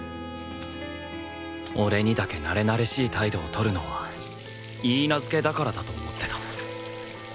俺にだけなれなれしい態度を取るのは許嫁だからだと思ってた